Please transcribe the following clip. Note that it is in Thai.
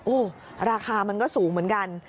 โอ้โหราคามันก็สูงเหมือนกัน